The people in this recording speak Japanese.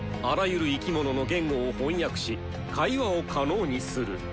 あらゆる生き物の言語を翻訳し会話を可能にする。